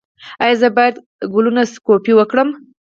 ایا زه باید کولونوسکوپي وکړم؟